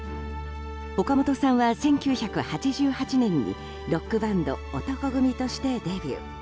岡本さんは１９８８年にロックバンド男闘呼組としてデビュー。